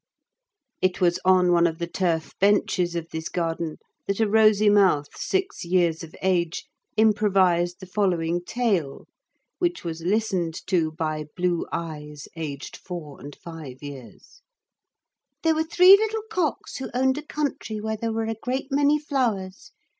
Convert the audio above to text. It was on one of the turf benches of this garden that a rosy mouth six years of age improvised the following tale, which was listened to by blue eyes aged four and five years:— "There were three little cocks who owned a country where there were a great many flowers.